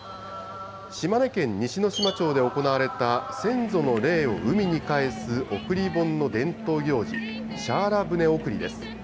島根県西ノ島町で行われた先祖の霊を海にかえす送り盆の伝統行事、シャーラ船送りです。